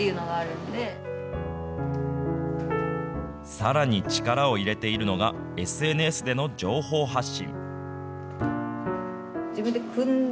さらに力を入れているのが、ＳＮＳでの情報発信。